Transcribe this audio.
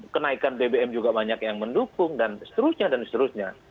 kenaikan bbm juga banyak yang mendukung dan seterusnya dan seterusnya